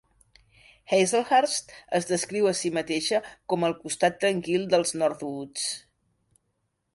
Hazelhurst es descriu a si mateixa com el costat tranquil dels North Woods.